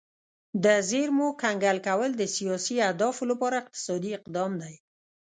د زیرمو کنګل کول د سیاسي اهدافو لپاره اقتصادي اقدام دی